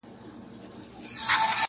ستا به هم بلا ګردان سمه نیازبیني-